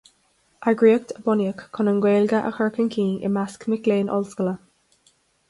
Eagraíocht a bunaíodh chun an Ghaeilge a chur chun cinn i measc mic léinn ollscoile.